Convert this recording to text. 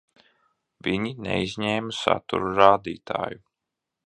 Viņi neizņēma satura rādītāju.